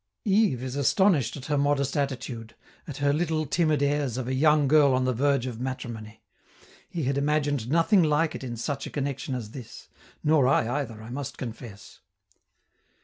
Yves is astonished at her modest attitude, at her little timid airs of a young girl on the verge of matrimony; he had imagined nothing like it in such a connection as this, nor I either, I must confess.